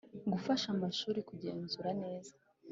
Gufasha amashuri kugenzura neza